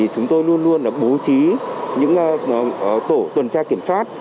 chúng tôi luôn luôn bố trí những tổ tuần tra kiểm soát